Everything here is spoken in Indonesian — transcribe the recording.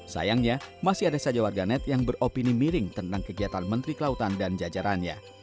sayangnya masih ada saja warganet yang beropini miring tentang kegiatan menteri kelautan dan jajarannya